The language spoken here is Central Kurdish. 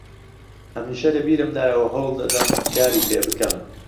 هەمیشە لە بیرمدایە و هەوڵ دەدەم کاری پێ بکەم